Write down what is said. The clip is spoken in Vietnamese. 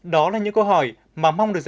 đó là những câu hỏi mà mong được giải